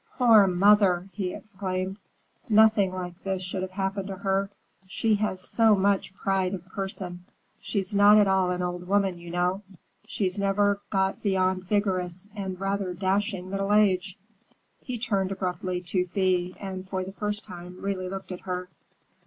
"Poor mother!" he exclaimed; "nothing like this should have happened to her. She has so much pride of person. She's not at all an old woman, you know. She's never got beyond vigorous and rather dashing middle age." He turned abruptly to Thea and for the first time really looked at her.